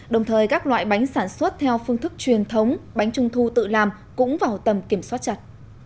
đồng thời các loại bánh sản xuất theo phương thức truyền thống bánh trung thu tự làm cũng vào tầm kiểm soát chặt